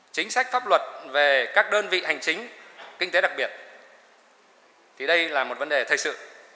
chính sách pháp luật về các đơn vị hành chính kinh tế đặc biệt thì đây là một vấn đề thời sự